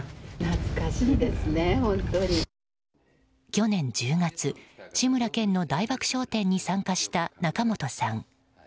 去年１０月志村けんの大爆笑展に参加した仲本さん。